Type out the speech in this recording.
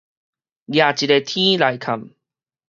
夯一个天來崁